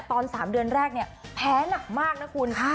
ตอนสามเดือนแรกเนี้ยแพ้หนักมากน่ะคุณค่ะ